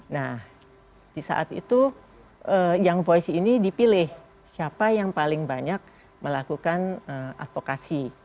nah di saat itu young voice ini dipilih siapa yang paling banyak melakukan advokasi